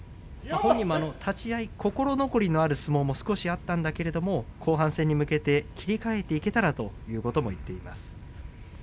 本人も立ち合い心残りのある相撲も少しあったんだけれども後半戦に向けて切り替えていけたらということも言っています。